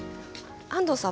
安藤さん